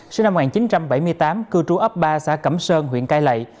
sinh năm một nghìn chín trăm bảy mươi tám cư trú ấp ba xã cẩm sơn huyện cai lệ